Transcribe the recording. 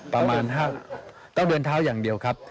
ประมาณ๕กิโลเมตรต้องเดินเท้าอย่างเดียวครับ